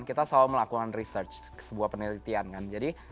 kita selalu melakukan research sebuah penelitian kan